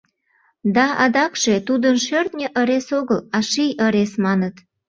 Да адакше тудын шӧртньӧ ырес огыл, а ший ырес маныт.